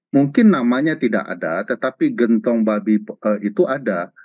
mungkin namanya tidak ada tetapi gentong babi itu ada